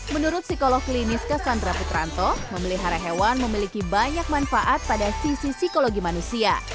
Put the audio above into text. menurut psikolog klinis cassandra putranto memelihara hewan memiliki banyak manfaat pada sisi psikologi manusia